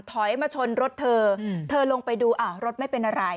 ถอยมาชนรถเธอเธอลงไปดูอ้าวรถไม่เป็นอะไร